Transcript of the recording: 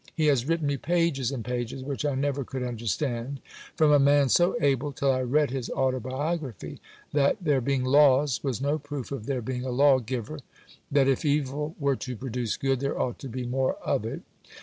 He has written me pages and pages, which I never could understand from a man so able till I read his Autobiography: that there being Laws was no proof of there being a Law giver; that if evil were to produce good, there ought to be more of it!